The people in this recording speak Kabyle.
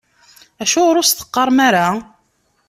Acuɣer ur as-teqqarem ara?